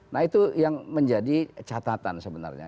nah itu yang menjadi catatan sebenarnya